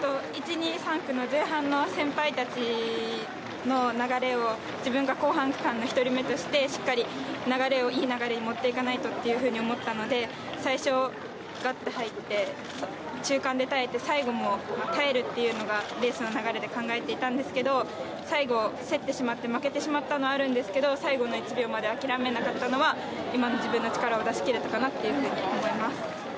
１、２、３区の前半の先輩たちの流れを自分が後半区間の１人目としていい流れにもっていかないとと思ったので最初にガッと入って、中間で耐えて最後も耐えるっていうのがレースの流れで考えていたんですけど、最後、競ってしまって、負けてしまったのはあるんですけど最後の１秒まで諦めなかったのは、今の自分の力を出しきれたかなと思います。